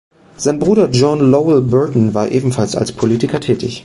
Sein Bruder John Lowell Burton war ebenfalls als Politiker tätig.